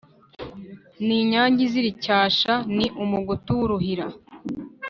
Ni inyange izira icyasha. Ni umugutu w'uruhira